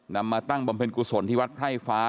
มาตั้งบำเพ็ญกุศลที่วัดไพร่ฟ้า